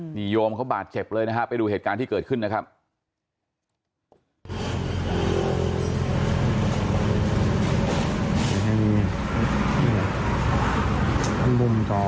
นี่โยมเขาบาดเจ็บเลยนะฮะไปดูเหตุการณ์ที่เกิดขึ้นนะครับ